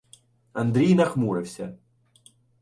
Андрій нахмурився.